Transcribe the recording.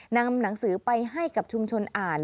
นำหนังสือไปให้กับชุมชนอ่าน